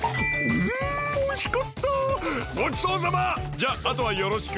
じゃあとはよろしく！